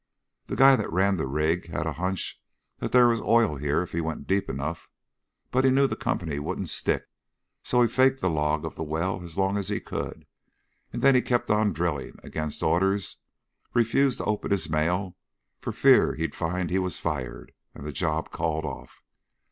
The guy that ran the rig had a hunch there was oil here if he went deep enough, but he knew the company wouldn't stick, so he faked the log of the well as long as he could, then he kept on drilling, against orders refused to open his mail, for fear he'd find he was fired and the job called off.